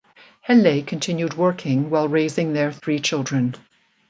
Helle continued working while raising their three children.